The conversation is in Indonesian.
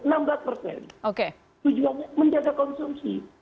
tujuannya menjaga konsumsi